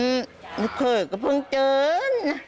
อือลูกเผยก็เพิ่งเจือน